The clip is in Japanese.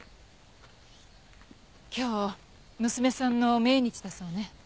今日娘さんの命日だそうね。